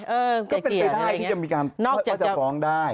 แรงเปลี่ยนน่ะอย่างนี้แหละนอกจากพอจะพ้องได้